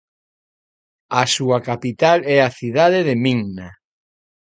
A súa capital é a cidade de Minna.